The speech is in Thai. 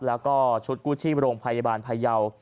แล้วก็ชุดกู้ชีพโรงพยาบาลพยาว